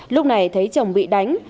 lúc này thấy chồng bị đánh